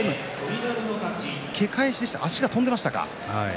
足が飛んでいましたか。